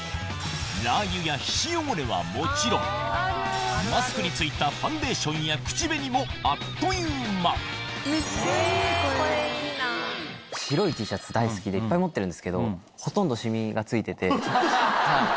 ラー油や皮脂汚れはもちろんマスクについたファンデーションや口紅もあっという間白いＴシャツ大好きでいっぱい持ってるんですけどほとんど染みがついてて。